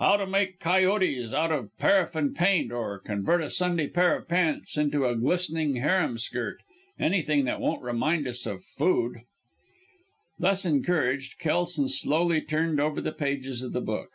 How to make coyottes out of paraffin paint, or convert a Sunday pair of pants into a glistening harem skirt! Anything that won't remind us of food." Thus encouraged Kelson slowly turned over the pages of the book.